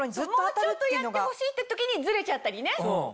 もうちょっとやってほしいって時にずれちゃったりね。